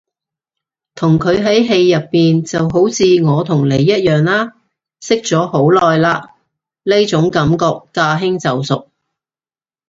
同佢喺戲入邊就好似我同你一樣啦識咗好耐啦，呢種感覺駕輕就熟